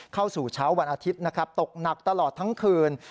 เข้าสู่เช้าวันอาทิตย์นะครับตกหนักตลอดทั้งคืน